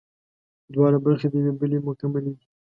دواړه برخې د یوې بلې مکملې دي